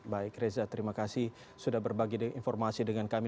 baik reza terima kasih sudah berbagi informasi dengan kami